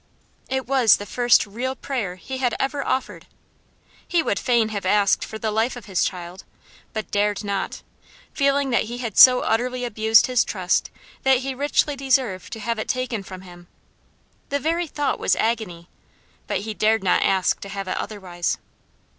It was the first real prayer he had ever offered. He would fain have asked for the life of his child, but dared not; feeling that he had so utterly abused his trust that he richly deserved to have it taken from him. The very thought was agony; but he dared not ask to have it otherwise.